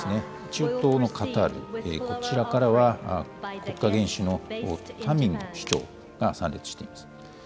中東のカタール、こちらからは、国家元首のカミング首相が参列しています。